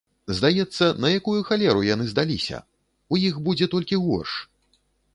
Здаецца, на якую халеру яны здаліся, у іх будзе толькі горш.